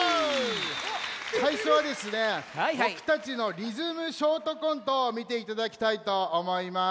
さいしょはですねぼくたちのリズムショートコントをみていただきたいとおもいます。